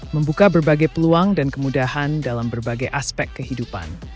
membuka berbagai peluang dan kemudahan dalam berbagai aspek kehidupan